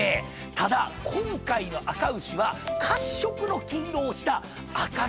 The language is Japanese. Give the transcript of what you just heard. ただ今回のあか牛は褐色の毛色をしたあか毛和種。